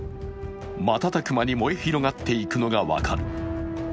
瞬く間に燃え広がっていくのが分かる。